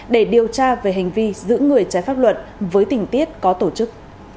để điều tra về hành vi giữ người trái pháp luật với tình tiết có tổ chức